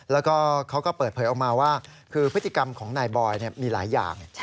แล้วก็เขาก็เปิดเผยออกมาว่าคือพฤติกรรมของนายบอยมีหลายอย่าง